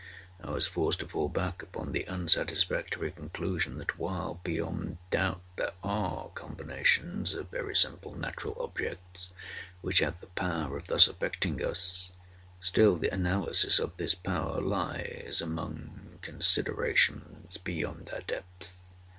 I was forced to fall back upon the unsatisfactory conclusion, that while, beyond doubt, there are combinations of very simple natural objects which have the power of thus affecting us, still the analysis of this power lies among considerations beyond our depth.